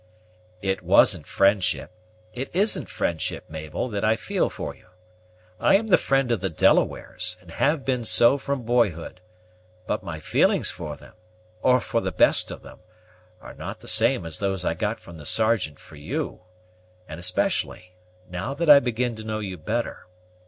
"It wasn't friendship it isn't friendship, Mabel, that I feel for you. I am the friend of the Delawares, and have been so from boyhood; but my feelings for them, or for the best of them, are not the same as those I got from the Sergeant for you; and, especially, now that I begin to know you better.